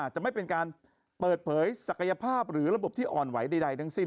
จะไม่เป็นการเปิดเผยศักยภาพหรือระบบที่อ่อนไหวใดทั้งสิ้น